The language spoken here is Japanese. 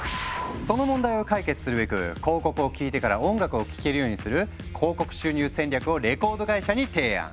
その問題を解決するべく広告を聞いてから音楽を聴けるようにする「広告収入戦略」をレコード会社に提案。